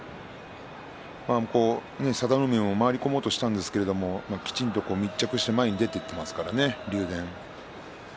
佐田の海も回り込もうとしたんですけどきちんと密着して前に出ていってますからね竜電が。